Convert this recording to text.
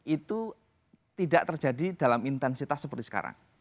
itu tidak terjadi dalam intensitas seperti sekarang